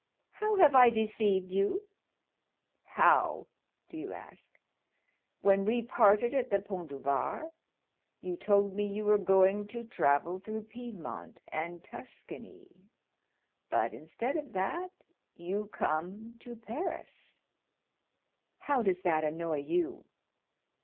"How have I deceived you?" "'How,' do you ask? When we parted at the Pont du Var, you told me you were going to travel through Piedmont and Tuscany; but instead of that, you come to Paris." "How does that annoy you?"